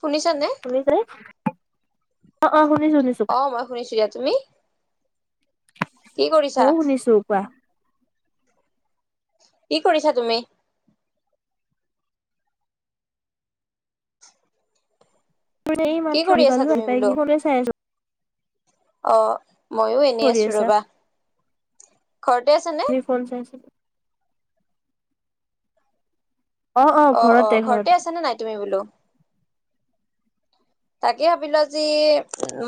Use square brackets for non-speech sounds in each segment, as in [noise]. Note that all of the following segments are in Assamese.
শুনিছা নে। অ', অ' শুনিছোঁ, শুনিছোঁ। অ', মই শুনিছোঁ দিয়া তুমি কি কৰিছাঁ? কোৱা। কি কৰিছা তুমি। কি এইমাত্ৰ কৰি আহি আছা পালোঁ তুমি আহি পাই বোলো? পেলে ফনে চাই আছোঁ। অ', মইয়ো কি এনেই কৰি আছোঁ আছা ৰ'বা! ঘৰতে আছানে। তুমি ফন চাই আছা। অ', অ' ঘৰতে আছ নে নাই তুমি বোলো। তাকে ভাবিলোঁ, আজি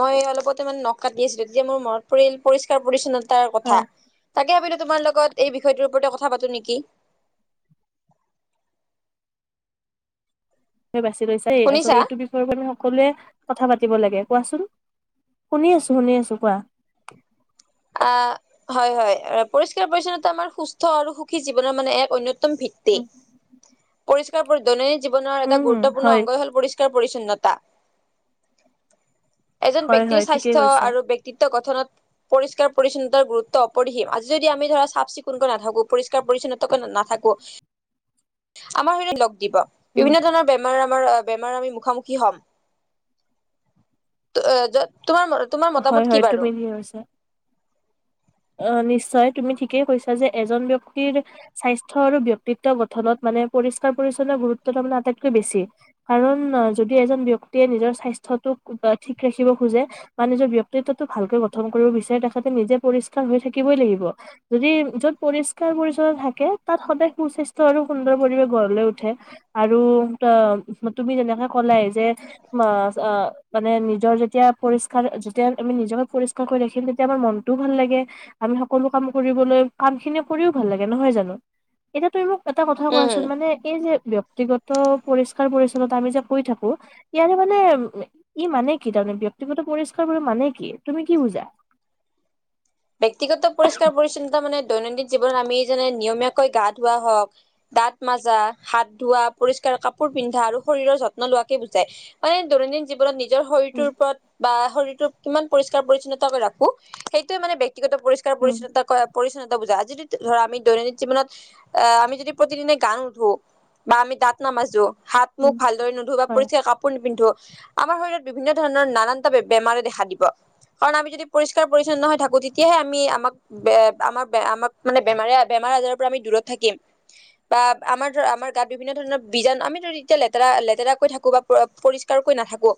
মই অলপতে মানে নখ কাটি আছিলোঁ! তেতিয়া মোৰ মনত পৰিল পৰিষ্কাৰ পৰিচ্ছনতা। তাৰ, হয় কথা তাকে ভাৱিলোঁ, তোমাৰ লগত এই বিষয়টোৰ ওপৰতে কথা পাতো নেকি। বাচছি লৈছ এই আচলতে শুনিছা? এইটো বিষয়। সকলোৱে কথা পাতিব লাগে কোৱাচোন শুনি আছোঁ, শুনি আছোঁ! কোৱা। আ হয় হয় পৰিষ্কাৰ পৰি্ছন্নতা আমাৰ সুস্থ আৰু সুখী জীৱনৰ মানে এক অন্য। তম, ভিত্তি উম পৰিষ্কাৰ দৈনন্দিন জীৱনৰ এটা উম গুৰুত্বপূৰ্ণ হয় অংগ হ'ল পৰি। ষ্কাৰ, পৰিছন্নতা এজন হয় হয় ব্যক্তিৰ ঠিকেই স্বাস্থ্য কৈছা আৰু ব্যক্তিতা। ক্তিত্ব, গঠনত। পৰিষ্কাৰ পৰিচ্ছন্নতাৰ গুৰুত্ব অপৰিসীম আজি যদি আমি ধৰা চফ -চিকুণৈ নাথাকোঁ, পৰিষ্কাৰ পৰিচ্ছনতাকৈ নাথাকোঁ। আমাৰ শৰীৰত লগ দিব! উম বিভিন্ন ধৰণৰ। বেমাৰ আমাৰ বেমাৰ আমি মুখামুখি হ'ম! তোমাৰ তোমাৰ মতামত কি বাৰু। কি হৈছে। অ' নিশ্চয় তুমি ঠিকেই কৈছা যে এজন ব্যক্তিৰ। স্বাস্থ্য আৰু ব্যক্তিত্ব গঠনত মানে পৰিষ্কাৰ পৰিচ্ছন্ন গুৰুত্ব তাৰমানে আটাইতকৈ বেছি। কাৰণ যদি এজন ব্যক্তিয়ে নিজৰ স্বাস্থ্যটোক ঠিক ৰাখিব খোজে। বা নিজৰ ব্যতিকত্বটো ভালকৈ গঠন কৰিব বিচাৰে তেখেতে নিজে পৰিষ্কাৰ হৈ থাকিবই লাগিব। যদি য'ত পৰিষ্কাৰ -পৰি্ছনতা থাকে তাত সদায় সুস্বাস্থ্য আৰু সুন্দৰ পৰিৱেশ গড়লৈ উঠে। আৰু ত তুমি যেনেকে ক'লাই যে। মাছ অ মানে নিজৰ যেতিয়া পৰিষ্কাৰ যেতিয়া আমি নিজকে পৰিষ্কাৰ। কৈ কৈ ৰাখিম তেতিয়া আমাৰ মনটোও ভাল লাগে। আমি সকলো কাম কৰিবলৈ, কাম খিনি কৰিও ভাল লাগে নহয় জানো? এতিয়া তুমি মোক এটা কথা উম কোৱাচোন মানে এই যে ব্য। ব্যাক্তিগত পৰিষ্কাৰ -পৰিচ্ছন্নতা আমি যে কৈ থাকো। ইয়াৰে মানে ই মানে কি তাৰমানে ব্যক্তিগত পৰিষ্কাৰ বুলিলে মানে কি তুমি কি বুজা? ব্যক্তিগত পৰিষ্কাৰ -পৰিচ্ছন্নতা মানে দৈনন্দিন জীৱনত আমি যেনে নিয়মীয়াকৈ গা- ধুৱো হওঁক। দাঁত মাজা হাত, ধোৱাঁ, পৰিষ্কাৰ কাপোৰ পিন্ধা আৰু শৰীৰৰ যত্ন লোৱাকে বুজায়। মানে দৈনন্দিন জীৱনত নিজ। নিজৰ শৰীৰটোৰ উম, ওপৰত বা শৰীৰটোৰ কিমান পৰিষ্কাৰ পৰি্ছন্নতা কৰি ৰাখো, সেইটোয়ে মানে ব্যক্তিগত পৰিস্কাৰ। কাৰ উম, পৰিছনতা কৰা পৰিচ্ছন্নতা বুজা আজি [inaudible] ধৰা আমি দৈনন্দিন জীৱনত আ, আমি যদি প্ৰতিদিনে গা নুধো। বা আমি দাঁত নামাজো হাত মুখ উম, ভালদৰে নুধো বা হয়, পৰিষ্কাৰ কাপ পোৰ নিপিন্ধোঁ, আমাৰ শৰীৰত বিভিন্ন ধৰণৰ নানানটা বে-বেমাৰে দেখা দিব। কাৰণ আমি যদি পৰিষ্কাৰ পৰিচ্ছন্ন হয় থাকোঁ তেতিয়াহে আমি আমাক বে আমাক বে আমাক মানে বেমাৰে বেমাৰ আজাৰৰ পৰা আমি দূৰত থাকিম। বা আমাৰ ধৰ আমাৰ গাত বিভিন্ন ধৰণৰ বিজাণ আমি ধৰ এতিয়া লেতেৰা লেতেৰাকৈ থাকোঁ বা পৰা-পৰিষ্কাৰকৈ নাথাকোঁ।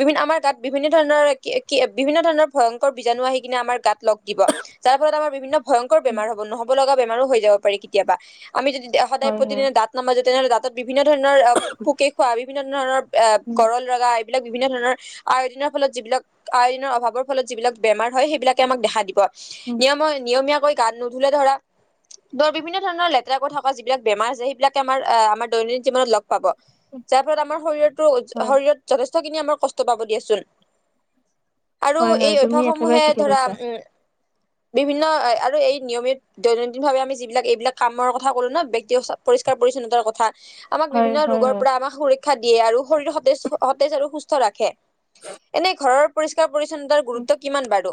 বিভিন্ন আমাৰ গাত বিভিন্ন ধৰণৰ কিয়ে কিয়ে বিভিন্ন ধৰণৰ ভয়ংকৰ বীজাণু আহি কিনে আমাৰ তাত লগ দিব যাৰ ফলত আমাৰ বিভিন্ন ভয়ংকৰ উম, বেমাৰ হ'ব, নহ'ব লগা বেমাৰো হৈ যাব পাৰি কেতিয়াবা। আমি যদি দেও সদায় হয়, হয়, প্ৰতিদিনে দাঁত নামাজো তেনেহ'লে দাঁতত বিভিন্ন ধৰণৰ আ, পোকে খোৱা বিভিন্ন ধৰণৰ [unintelligible] উম, কৰল ৰগা এইবিলাক বিভিন্ন ধৰণৰ আয়দিনৰ ফলত যিবিলাক আয়দিনৰ অভাৱৰ ফলত যিবিলাক বেমাৰ হয় সেইবিলাক তে আমাক দেখা দিব। উম, নিয়মই নিয়মীয়াকৈ গা নুধুলে ধৰা দৰ বিভিন্ন ধৰনৰ লেতেৰাকৈ থকা যিবিলাক বেমাৰ আছে সেইবিলাকে আমাৰ আ, আমাৰ দৈনন্দিন জীৱনত লগ পাব, উম, যাৰ ফলত আমাৰ শৰীৰটো হয়, শৰীৰত যথেষ্টখিনি আমাৰ কষ্ট পাব দিয়াচোন, আৰু হয়, হয়, এই তুমি একেবাৰে অভ্যাসমূহে ঠিকে কৈছা। উম, বিভিন্ন আই আৰু এই নিয়মিত দৈনন্দিন ভাৱে আমি যিবিলাক এইবিলাক কামৰ কথা কলো ন' ব্যক্তিঅচ' পৰিষ্কাৰ পৰিচ্ছন্নতাৰ কথা। আমাক হয়, বিভিন্ন হয়, ৰোগৰ হয়, পৰা আমাক সুৰক্ষা দিয়ে, আৰু শৰীৰ সতেছ-সতেজ আৰু সুস্থ ৰাখে। এনে ঘৰৰ পৰিষ্কাৰ পৰিছন্নতাৰ উম। গুৰুত্ব কিমান বাৰু?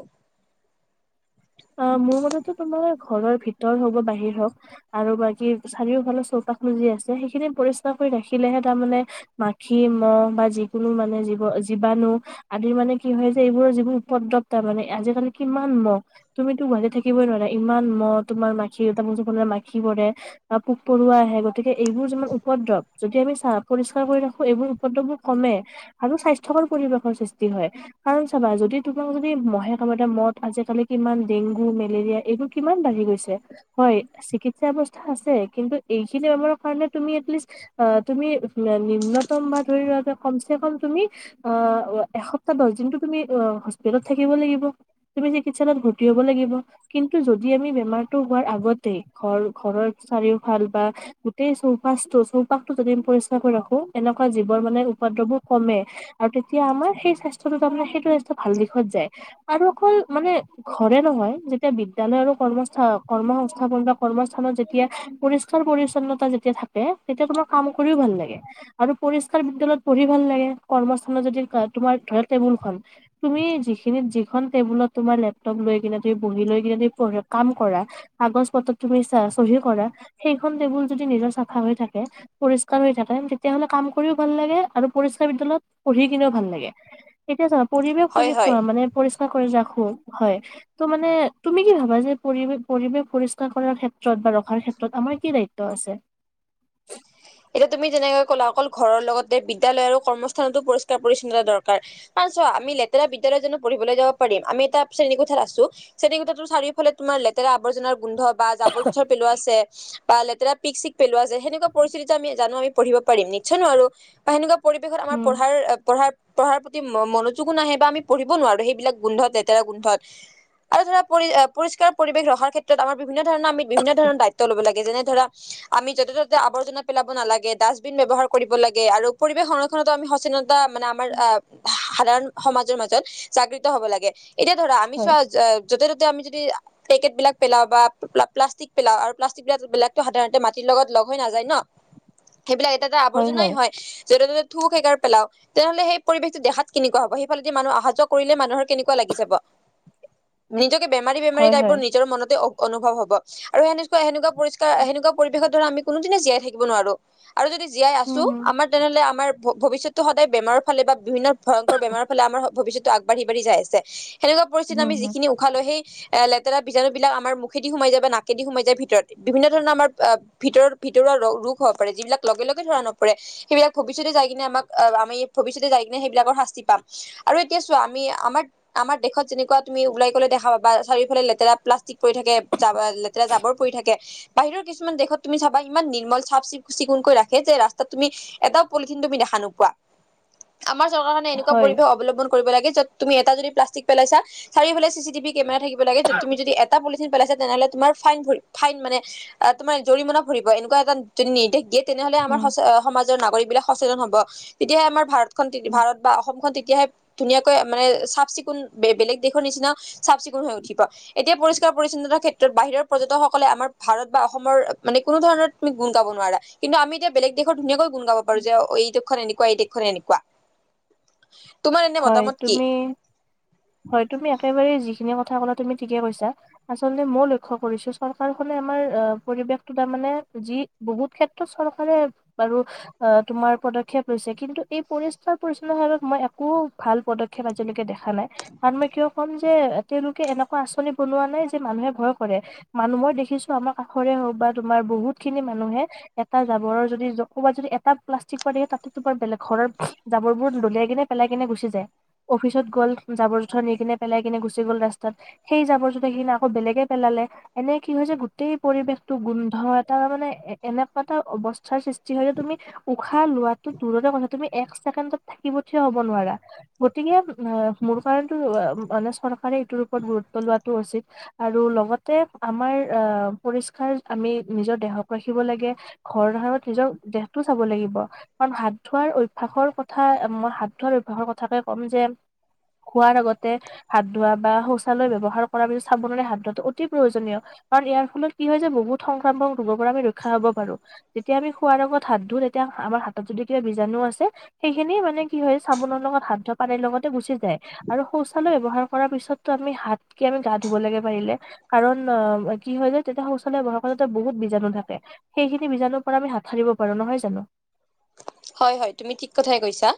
আ, মোৰ মতেটো তোমাৰ ঘৰৰ ভিতৰ হ'ব বাহিৰ হওঁক। আৰু বাকী চাৰিওফালৰ চৌপাশ বোৰ যি আছে সেইখিনি পৰিষ্কাৰ কৰি ৰাখিলেহে তাৰমানে মাখি, মহ বা যিকোনো মানে জীৱ জীবাণু আদিৰ মানে কি হয় যে এইবোৰৰ যিবোৰ উপদ্ৰৱতা মানে, আজিকালি কিমান মহ। তুমিতো গুৱাহাটীত থাকিবই নোৱাৰা ইমান মহ, তোমাৰ মাখি এটা [unintelligible] মাখি পৰে। আ, পোক পৰুৱা আহে গতিকে এইবোৰ যিমান উপদ্ৰৱ যদি আমি চাপ পৰিষ্কাৰ কৰি ৰাখোঁ এইবোৰ উপদ্ৰবোৰ কমে, আৰু স্বাস্থ্যকৰ পৰিৱেশৰ সৃষ্টি হয়। কাৰণ চাবা যদি তোমাক যদি মহে [unintelligible] এটা মত আজিকালি কিমান ডেংগু, মেলেৰিয়া এইবোৰ কিমান বাঢ়ি গৈছে। হয়, চিকিৎসাৰ বস্থা আছে, কিন্তু এইখিনি আমাৰ কাৰণে তুমি এটলিষ্ট আ, তুমি না-নিম্নতম বা ধৰি লোৱা যে কমচে কম তুমি আ, এসপ্তাহ দছ দিনটো তুমি আ, হস্পিতালত থাকিব লাগিব। তুমি যি চিকিৎসালয়ত ভৰ্তি হ'ব লাগিব। কিন্তু যদি আমি বেমাৰটো হোৱাৰ আগতে ঘৰ ঘৰৰ চাৰিওফাল বা গোটেই চৌপাছটো চৌপাশটো যদি আমি পৰিষ্কাৰ কৰি ৰাখোঁ, তেনেকুৱা জীৱৰ মানে উপাদ্ৰৱবোৰ কমে। আৰু তেতিয়া আমাৰ সেই স্বাস্থ্যটো তাৰমানে সেইটো স্বাস্থ্য ভাল দিশত যায়, আৰু অকল মানে ঘৰে নহয় যেতিয়া বিদ্যালয় আৰু কৰ্মস্থা কৰ্ম সংস্থাপন বা কৰ্মস্থানত যেতিয়া পৰিছ [inaudible] পৰিচন্নতা যেতিয়া থাকে তেতিয়া তোমাৰ কাম কৰিও ভাল লাগে। আৰু পৰিষ্কাৰ বিদ্য়ালয়ত পঢ়ি ভাল লাগে, কৰ্মস্থানত যদি কা তোমাৰ ধৰা টেবুলখন। তুমি যিখিনিত যিখন টেবুলত তোমাৰ লেপটপ লৈ কিনে তুমি বহি লৈ কিনে তুমি পঢ়া কাম কৰা। কাগজ পত্ৰত তুমি চা-চহী কৰা সেইখন টেবুল যদি নিজৰ চাফা হৈ থাকে। পৰিষ্কাৰ হৈ থাকে তেতিয়াহ'লে কাম কৰিও ভাল লাগে আৰু পৰিষ্কাৰ বিদ্যয়ালয়ত পঢ়ি কিনেও ভাল লাগে। এতিয়া চোৱা পঢ়িলেও পুলিচ হয় মানে পৰিষ্কাৰ কৰি ৰাখোঁ, হয়। ত' মানে তুমি কি ভাবা যে পৰিৱেশ পৰিৱেশ পৰিষ্কাৰ কৰাৰ ক্ষেত্ৰত বা ৰখাৰ ক্ষেত্ৰত আমাৰ কি দায়িত্ব আছে এতিয়া তুমি যেনেকে কলা অকল ঘৰৰ লগতে বিদ্যালয় আৰু কৰ্মস্থানতো পৰিস্কাৰ পৰিচ্ছন্নতা দৰকাৰ কাৰণ চোৱা আমি লেতেৰা বিদ্যালয়ত জানো পঢ়িবলে যাব পাৰিম আমি এটা শ্ৰেণী কোঠাত আছো শ্ৰেণী কোঠাটোৰ চাৰিওফালে তোমাৰ লেতেৰা আৰ্জনাৰ গোন্ধ বা জাবৰ জোথৰ পেলোৱা আছে বা লেতেৰা পিক চিক পেলোৱা আছে সেনেকুৱা পৰিস্থিতিত জানো আমি পঢ়িব পাৰিম নিশ্চয় নোৱাৰোঁ আৰু সেনেকুৱা পৰিৱেশত আমাৰ উম, পঢ়াৰ- পঢ়াৰ পঢ়াৰ প্ৰতি ম-মনোযোগো নাহে বা আমি পঢ়িবও নোৱাৰো সেইবিলাক গোন্ধত লেতেৰা গোন্ধত। আৰু ধৰা পৰি-পৰিষ্কাৰ পৰিৱেশ ৰখাৰ ক্ষে তত আমাৰ বিভিন্ন ধৰণৰ আমি বিভিন্ন ধৰণৰ দায়িত্ব লব লাগে যেনে ধৰা আমি যতে ততে আৱৰ্জনা পেলাব নালাগে, ডাষ্টবিন ব্যৱহাৰ কৰিব লাগে আৰু পৰিৱেশ সংৰক্ষণতো আমি সচেতন ত মানে আমাৰ আ সাধাৰণ সমাজৰ মাজত জাগৃত হব লাগে, এতিয়া ধৰা আমি হয়, চোৱা য'তে ত'তে আমি যদি পেকেট বিলাক পেলাও বা প্লাষ্টিক পেলাও আৰু প্লাষ্টিক বিলাক বিলাকতো সাধাৰণতে মাটিৰ লগত লগ হৈ নাযায় ন সেইবিলাক এটা এটা আৱৰ্জনাই হয় যতে ততে থু-খেকাৰ পেলাও তেনেহলে সেই পৰিৱেশটো দেখাত কেনেকুৱা হব সেইফালেদি মানুহ আহা যোৱা কৰিলে মানুহৰ কেনে লাগি যাব নিজকে বেমাৰী বেমাৰী হয়, টাইপৰ হয়। নিজৰ মনতে অনুভৱ হব আৰু সেনেকুৱা সেনেকুৱা পৰিষ্কাৰ সেনেকুৱা পৰিৱেশত ধৰা আমি কোনোদিনে জীয়াই থাকিব নোৱাৰো আৰু যদি জীয়াই উম, আছো হুম। আমাৰ তেনেহ'লে আমাৰ ভৱিষ্যতটো সদায় বেমাৰ ফালে বা বিভিন্ন ভয়ংকৰ বেমাৰৰ ফালে আমাৰ ভৱিষ্যতটো আগবাঢ়ি আগবাঢ়ি যায় আছে সেনেকোৱা পৰিস্থিতিত উম, আমি হুম, যিখিনি উশাহ লৈ সেই লেতেৰা বিজাণু বিলাক আমাৰ মুখেদি সোমাই যায় বা নাকেদি সোমাই যায় ভিতৰত বিভিন্ন ধৰণৰ আমাৰ ভিতৰত ভিতৰুৱা ৰোগ হ'ব পাৰে যিবিলাক লগে লগে ধৰা নপৰে সেইবিলাক ভৱিষ্যতে যায় কিনে আমাক আমি ভৱিষ্যতে যায় কিনে সেইবিলাকৰ শাস্তি পাম আৰু এতিয়া চোৱা আমি আমাৰ আমাৰ দেশত যেনেকুৱা তুমি ওলাই গলে দেখা পাবা চাৰওফালে লেতেৰা প্লা থাকে লেতেৰা জাবৰ পৰি থাকে বাহিৰৰ কিছুমান দেশত তুমি চাবা ইমান নিৰ্মল চাফ চিকু চিকুণকৈ ৰাখে যে ৰাস্তাত তুমি এটাও পলিথিন তুমি দেখা নোপোৱা আমাৰ চৰকাৰখনে এনেকুৱা হয়, পৰিৱেশ অৱলম্বন লাগে য'ত তুমি এটা যদি প্লাষ্টিক পেলাইছা চাৰিওফালে চি চি টিভি কেমেৰা থাকিব লাগে য'ত তুমি যদি এটা পলিথিন পেলাইছে তেনেহলে তোমাৰ ফাইন ভৰি ফাইন মানে তোমাৰ জৰিমনা ভৰিব এনেকুৱা এটা যদি নিৰ্দেশ দিয়ে তেনেহলে আমাৰ উম, সচ সমাজৰ নাগৰিক বিলাক সচেতন হব তেতিয়াহে আমাৰ ভাৰত ভাৰত বা অসমখন তেতিয়াহে ধুনীয়াকৈ মানে চাফ চিকুণ বেলেগ দেশৰ নিচিনা চাফ চিকুণ হৈ উঠিব এতিয়া পৰিষ্কাৰ পৰিচ্ছন্নতাৰ ক্ষেত্ৰত বাহিৰৰ পৰ্যটকসকলে আমাৰ ভাৰত বা অসমৰ মানে কোনো ধৰণৰ গুণ গাব নোৱাৰা কিন্তু আমি এতিয়া বেলেগ দেশত ধুনীয়াকৈ গুণ গাব পাৰো যে এইটো এনেকুৱা এই দেশখনে এনেকুৱা তোমাৰ এনে হয় মতামত কি তুমি হয় তুমি একেবাৰেই যিখিনি কথা কলা তুমি ঠিকে কৈছা আচলতে মই লক্ষ্য কৰিছো চৰকাৰখনে আমাৰ অ পৰিৱেশটো তাৰমানে যি বহুত ক্ষেত্ৰত চৰকাৰে বাৰু অ তোমাৰ পদক্ষেপ লৈছে কিন্তু এই পৰিষ্কাৰ পৰিচ্ছন্নাৰ মই একো ভাল পদক্ষেপ আজিলেকে দেখা নাই কাৰণ মই কিয় কম যে তেওঁলোকে এনেকুৱা আঁচনি বনোৱা নাই যে মানুহে ভয় কৰে মানুহ মই দেখিছো আমাৰ কাষৰে হওক বা তোমাৰ বহুত খিনি মানুহে এটা জাবৰৰ যদি ক'বাত যদি এটা প্লাষ্টিক পানিয়ে তাতে তোমাৰ বেলেগ ঘৰৰ জাবৰবোৰ দলিয়াই কিনে পেলাই কিনে গুচি যায় অফিচত গ'ল জাবৰ জোথৰ নি কিনে পেলাই কিনে গুচি গ'ল ৰাস্তাত সেই জাবৰ জোথৰখিনি আকৌ বেলেগে পেলালে এনে কি হৈছে গোটেই পৰিৱেশটো গোন্ধ এটা মানে এ এনেকুৱা এটা অৱস্থাৰ সৃষ্টি হয় যে তুমি উশাহ লোৱাটো দূৰৰে কথা তুমি এক ছেকেণ্ডত থাকিব- নোৱাৰা গতিকে অ মোৰ কাৰণো মানে চৰকাৰে এইটোৰ ওপৰত গুৰুত্ব- পলোৱাতটো উচিত। আৰু লগতে আমাৰ আহ পৰিষ্কাৰ আমি নিজৰ দেহক ৰাখিব লাগে। ঘৰ ধত নিজৰ দেহতটো চাব লাগিব কাৰণ হাত ধোৱাৰ অভ্যাসৰ কথা মই- হাত ধুৱাৰ অভ্যাগৰ কথাকে ক'ম যে, খোৱাৰ আগতে- হাত ধোৱা বা শৌচালয় ব্যৱহাৰ কৰাৰ পিছত চাবোনেৰে হাত ধোৱাটো অতি প্ৰয়োজনীয়। কাৰণ ইয়াৰ ফলত কি হয় যে বহুত সংক্ৰামক ৰোগৰ পৰা আমি ৰক্ষা হব পাৰো। যেতিয়া আমি খোৱাৰ আগত লগত হাত ধুওঁ তেতিয়া আমাৰ হাতত যদি কিবা বীজাণু আছে সেইখিনি মানে- কি হয় চাবোনৰ লগত হান ধোৱা পানীৰ লগতে গুচি যায়। আৰু শৌচালয় ব্যৱহাৰ কৰাৰ পিছতো আমি হাতকে আমি গা ধুব লাগে পাৰিলে। কাৰণ অ কি হয় যে তেতিয়া শৌচালয় বহাৰ ফালতে বহুত বীজাণু থাকে। সেইখিনি বজাণুৰ পৰা আমি হাত সাৰিব পাৰো নহয় জানো? হয় হয় তুমি ঠিক কথাই কৈছা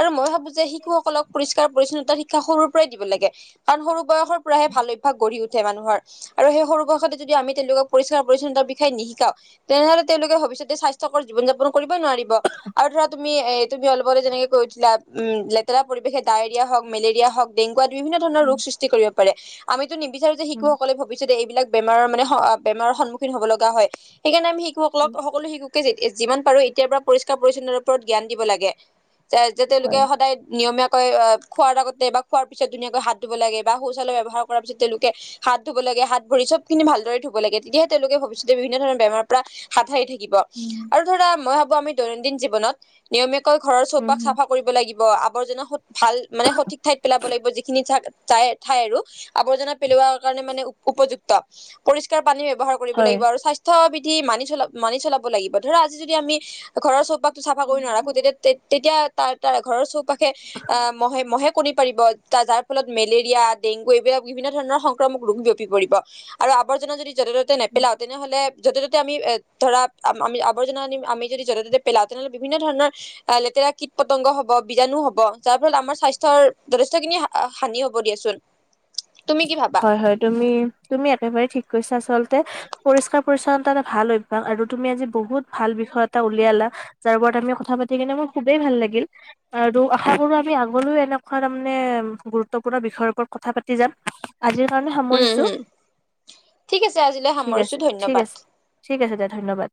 আৰু মই ভাবো যে শিশুসকলক পৰিস্কাৰ- পৰিচ্ছন্নতা শিক্ষা সৰুৰে পৰাই দিব লাগে কাৰণ সৰু বয়সৰ পৰাহে ভাল অভ্যাস গঢ়ি উঠে মানুহৰ। আৰু সেই সৰু বয়সৰতে যদি আমি তেওঁলোকক পৰিষ্কাৰ পৰিচ্ছন্নাৰ বিষয়ে নিশিকাও- তেনেহলে তেওঁলোকে ভৱিষ্যতে স্বাস্থ্যকৰ জীৱন যাপন কৰিব নোৱাৰিব। আৰু ধৰা তুমি এ তুমি অলপতে যেনেকে কৈ উঠাম লেতেৰা পৰিবেশে ডায়েৰিয়া হওক মেলেৰিয়া হওক- ডেংগুাত বিভিন্ন ধৰণৰ উম ৰোগ সৃষ্টি কৰিব পাৰে আমিতো নিবিচাৰো যে উম শিশুসকলে ভৱিষ্যতে এইবিলাক- বেমাৰৰ মানে বমাৰৰ সন্মুখীন হ'ব লগা হয় সেইকাৰণে আমি শিশুকলক উম সকলো শিশু- যিমান পাৰো এতিাৰ পৰা পৰিষ্কাৰ পৰিচ্ছন্ন ওৰত জ্ঞান দিব লাগে। যে হয়। তেওঁলোকে সদায় নিয়মীয়াকৈ আহ- খোৱাৰ আগতে বা খোৱাৰ পিছত ধুনীয়াকৈ হাত ধুব লাগে বা শৌচালয় ব্যৱাৰ কৰাৰ পিছত তেওঁলোকে- হাত ধুব লাগে হাত ভৰিখিনি ভালদৰে ধুব লাগে তেতিয়াহে তেওঁলোকে ভৱিষ্যতে বিভিন্ন ধৰণৰ বেমাৰ পৰা- হাত সাৰি থাকিব উম। আৰু ধৰা মই ভাবো আমি দৈনন্দিন জীৱনত নিয়মীয়াকৈ ঘৰৰ উম চৌপাশ হুম চাফা- কৰিব লাগিব আৱৰ্জনা ভাল মানে সঠিক ঠাইত পেলাব লাগিব যিখিনি ঠাই ঠাই আৰু- আৱৰ্জনা পেলোৱা কাৰণে মানে উপযুক্ত পৰিসকাৰ পানী ব্যৱহাৰ কৰিব হয়। লাগিব আৰু স্বাস্থ্য- বিধি মানি চ মানি চলাব লাগিব ধৰা আজি যদি আমি ঘৰৰ চৌপাশ - চাফা কৰি নাৰখো তেতিয়া তেতিয়া তাৰ তাৰ ঘৰৰ চৌপাশে আহ মহে মহে কণী পাৰিব। যাৰ ফলত মেলেৰিয়া ডেংগু এইবিলাক বিভিন্ন ধৰণৰ সংক্ৰামক ৰোগ বিয়পি পৰিব আৰু আৱৰ্জনা যদি- য'তে ত'তে উম নেপেলাও তেনেহলে য'তে ত'তে আমি এ ধৰা আমি আৱৰ্জনাম আমি- যদি যতে ততে পেলা তেনে'হলে বিভিন্ন ধৰণৰ- লেতেৰা কীট পতংগ হব বীজাণু হব যাৰ ফলত আমাৰ স্বাস্থ্যৰ যথেষ্টখিনি হানি হব দিয়াচোন। [inaudible] কি ভাবা হয় হয় তুমি তুমি একেবাৰে ঠিক কৈছা আচলতে। পৰিষ্কাৰ পৰিচ্ছন্নতা এটা ভাল অভ্যাস আৰু তুমি আজি বহুত ভাল বিষয় এটা উলিয়ালা। যাৰ ওপৰত আমি কথা পাতি কিনে মোৰ খুবেই ভাল লাগিল। আৰু আশা কৰো আমি আগলৈও এনেকুৱা তাৰমানে গুৰুত্বপূৰ্ণ বিষয়ৰ ওপৰত কথা পা তি যাম আজিৰ কাৰণে উম সামৰিছো, হম ঠিক আছে আজিলৈ ঠিক সামৰিছো আছে ঠিক ধন্যবাদ আছে। ঠিক আছে দে ধন্যবাদ।